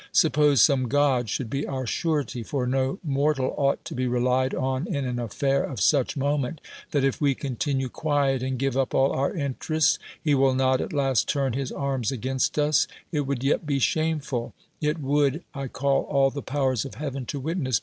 Suppose some god should be our surety (for no mortal ought to be relied on in an affair of such mo ment) that, if we continue quiet, and give up all our interests, he will not at last turn his arras against us; it w^ould yet be shameful; it would (I call all the powers of Heaven to wit ness!)